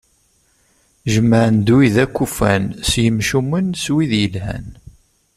Jemɛen-d wid akk ufan, s yemcumen, s wid yelhan.